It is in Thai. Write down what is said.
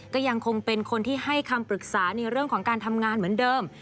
ก็ยังคงเป็นคนที่ให้คำปรึกษาในเรื่องของการทำงานเหมือนเดิม